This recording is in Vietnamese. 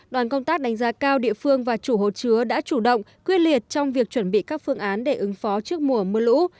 đoàn công tác đánh giá cao địa phương và chủ hồ chứa đã chủ động quyết liệt trong việc chuẩn bị các phương án để ứng phó trước mùa mưa lũ